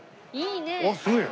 いいね！